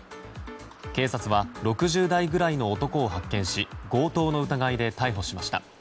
警察は６０代くらいの男を発見し強盗の疑いで逮捕しました。